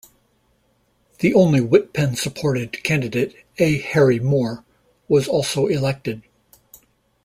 The only Wittpenn-supported candidate, A. Harry Moore, was also elected.